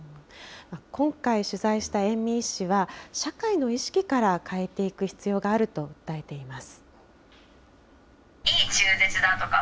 今回取材した遠見医師は、社会の意識から変えていく必要があると訴えています。